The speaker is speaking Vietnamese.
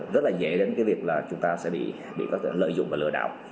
rất là dễ đến cái việc là chúng ta sẽ bị có lợi dụng và lừa đảo